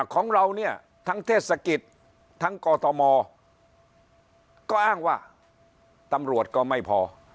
ของเราเนี่ยทั้งเทศกิจทั้งกอทมก็อ้างว่าตำรวจก็ไม่พอ